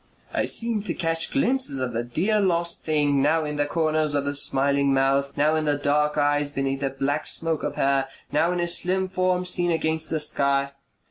I seemed to catch glimpses of the dear lost thing, now in the corners of a smiling mouth, now in dark eyes beneath a black smoke of hair, now in a slim form seen against the sky.